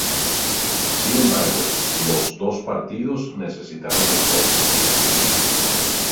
Sin embargo, los dos partidos necesitaron de tres sets.